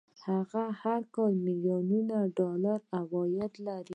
هغه هر کال ميليونونه ډالر عايد درلود.